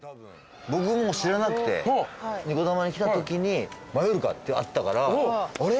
僕も知らなくて二子玉に来たときにマヨルカってあったから「あれ？